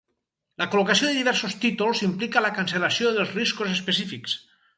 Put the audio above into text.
La col·locació de diversos títols implica la cancel·lació dels riscos específics.